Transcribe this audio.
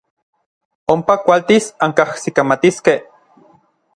Ompa kualtis ankajsikamatiskej.